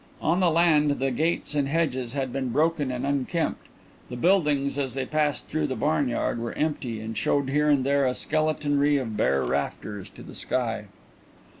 On the land, the gates and hedges had been broken and unkempt; the buildings, as they passed through the farmyard, were empty and showed here and there a skeletonry of bare rafters to the sky.